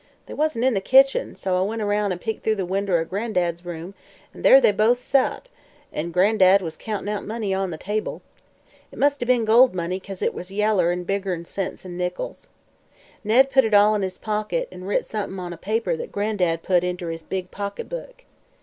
They wasn't in the kitchen, so I went aroun' an' peeked through the winder o' Gran'dad's room, an' there they both sot, an' Gran'dad was countin' out money on the table. It must 'a' be'n gold money, 'cause it was yaller an' bigger ner cents er nickels. Ned put it all in his pocket, an' writ somethin' on a paper that Gran'dad put inter his big pocketbook.